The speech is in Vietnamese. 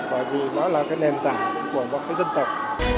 bởi vì nó là cái nền tảng của một cái dân tộc